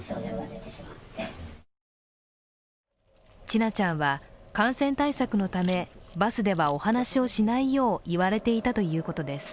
千奈ちゃんは感染対策のため、バスではお話をしないよう言われていたということです。